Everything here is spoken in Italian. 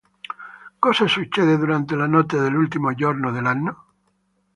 Cosa succede durante la notte dell'ultimo giorno dell'anno?